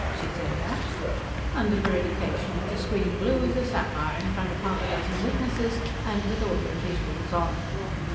'" "She say that?" "Under veridication, with the screen blue as a sapphire, in front of half a dozen witnesses and with audiovisuals on.